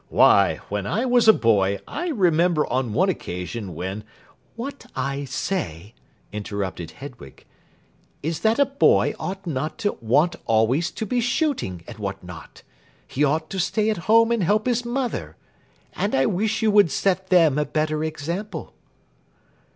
Why, when I was a boy I remember on one occasion, when " "What I say," interrupted Hedwig, "is that a boy ought not to want always to be shooting, and what not. He ought to stay at home and help his mother. And I wish you would set them a better example."